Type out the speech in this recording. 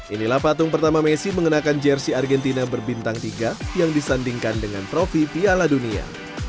inilah patung pertama messi mengenakan jersi argentina berbintang tiga yang disandingkan dengan trofi piala dunia